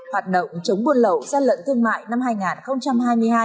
hoạt động chống buôn lậu gian lận thương mại năm hai nghìn hai mươi hai